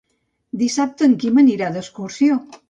Dissabte en Quim anirà d'excursió.